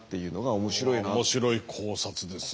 面白い考察ですね。